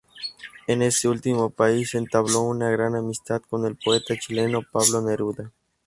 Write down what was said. En este último país entabló una gran amistad con el poeta chileno Pablo Neruda.